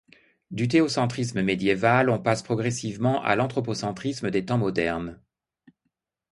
Du théocentrisme médiéval on passe progressivement à l’anthropocentrisme des temps modernes.